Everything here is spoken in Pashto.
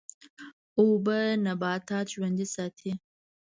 اوبه نباتات ژوندی ساتي.